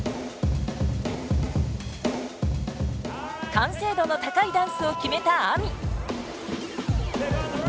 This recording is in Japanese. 完成度の高いダンスを決めたＡＭＩ。